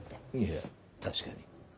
いや確かに。